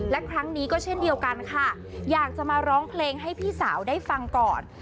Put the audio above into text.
และครั้งนี้ก็เช่นเดียวกันค่ะอยากจะมาร้องเพลงให้พี่สาวได้ฟังก่อน